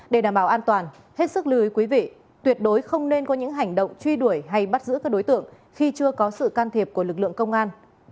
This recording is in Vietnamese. để đảm bảo an toàn hết sức lưu ý quý vị tuyệt đối không nên có những hành động truy đuổi hay bắt giữ các đối tượng khi chưa có sự can thiệp của lực lượng công an